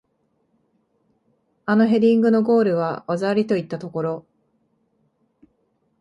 あのヘディングのゴールは技ありといったところ